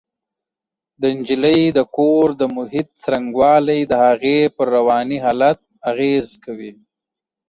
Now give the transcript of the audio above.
د نجلۍ د کور د محیط څرنګوالی د هغې پر رواني حالت اغېز کوي